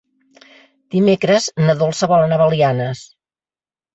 Dimecres na Dolça vol anar a Belianes.